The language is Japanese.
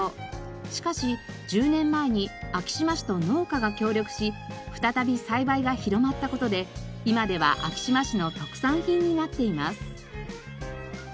しかし１０年前に昭島市と農家が協力し再び栽培が広まった事で今では昭島市の特産品になっています。